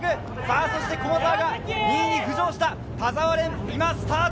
そして駒澤が２位に浮上した田澤廉、今スタート。